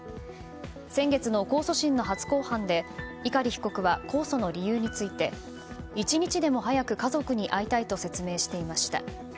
先月の控訴審の初公判で碇被告は控訴の理由について１日でも早く家族に会いたいと説明していました。